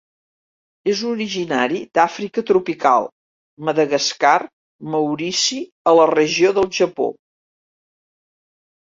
És originari d'Àfrica tropical, Madagascar, Maurici, a la regió del Japó.